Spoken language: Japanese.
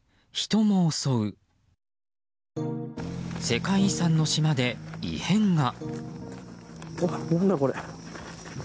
世界遺産の島で異変が。